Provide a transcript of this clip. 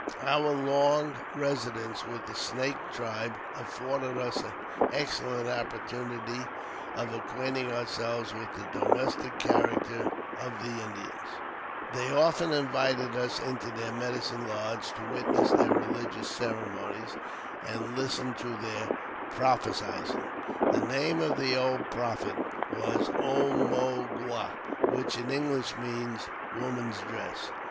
Our long residence with the Snake tribe afforded us an excellent opportunity of acquainting ourselves with the domestic character of the Indians. They often invited us into their medicine lodge to witness their religious ceremonies and listen to their prophesyings. The name of the old prophet was 0 mo gua, which in English means woman's dress.